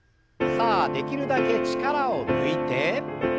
さあできるだけ力を抜いて。